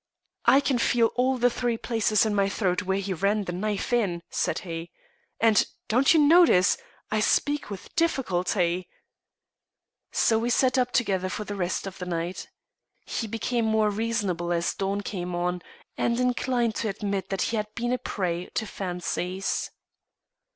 "I can feel all the three places in my throat where he ran the knife in," said he. "And don't you notice? I speak with difficulty." So we sat up together the rest of the night. He became more reasonable as dawn came on, and inclined to admit that he had been a prey to fancies.